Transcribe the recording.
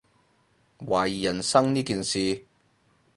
懷疑人生呢件事